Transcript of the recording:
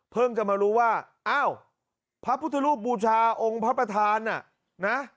จะมารู้ว่าอ้าวพระพุทธรูปบูชาองค์พระประธานน่ะนะ